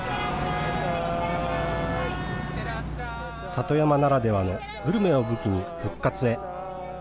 里山ならではのグルメを武器に復活へ。